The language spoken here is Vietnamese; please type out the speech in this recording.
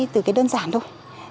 từ cái đơn giản thôi